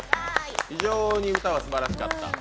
非常に歌はすばらしかった。